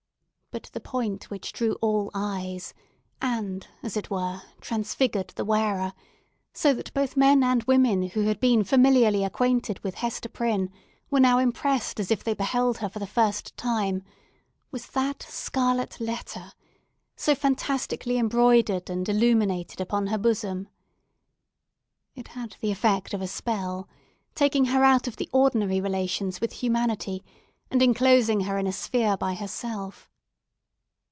But the point which drew all eyes, and, as it were, transfigured the wearer—so that both men and women who had been familiarly acquainted with Hester Prynne were now impressed as if they beheld her for the first time—was that SCARLET LETTER, so fantastically embroidered and illuminated upon her bosom. It had the effect of a spell, taking her out of the ordinary relations with humanity, and enclosing her in a sphere by herself.